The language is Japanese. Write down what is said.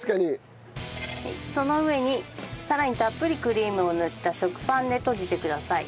その上にさらにたっぷりクリームを塗った食パンで閉じてください。